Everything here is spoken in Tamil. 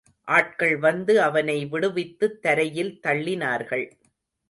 ஆட்கள் வந்து அவனை விடுவித்துத் தரையில் தள்ளினார்கள்.